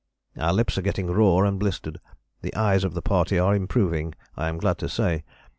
Our lips are getting raw and blistered. The eyes of the party are improving, I am glad to say.